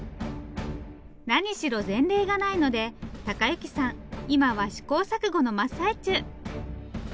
何しろ前例がないので貴之さん今は試行錯誤の真っ最中。